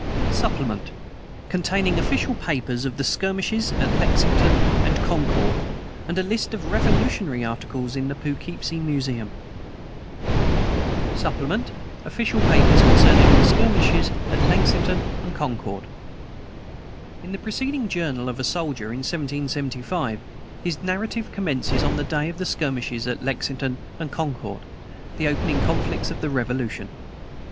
] SUPPLEMENT, CONTAINING OFFICIAL PAPERS ON THE SKIRMISHES AT LEXINGTON AND CONCORD, AND A LIST OF REVOLUTIONARY ARTICLES IN THE POUGHKEEPSIE MUSEUM. SUPPLEMENT. OFFICIAL PAPERS CONCERNING THE SKIRMISHES AT LEXINGTON AND CONCORD. In the preceding Journal of a Soldier, in 1775, his narrative commences on the day of the skirmishes at Lexington and Concord, the opening conflicts of the Revolution.